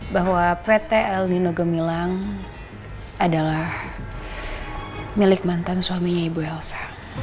bahwa pt el nino gemilang adalah milik mantan suaminya ibu elsa